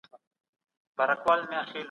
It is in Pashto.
ډاکټر دا خبره لیکلې ده.